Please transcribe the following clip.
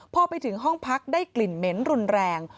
พอไปถึงห้องพักได้กลิ่นเหม็นรุนแรง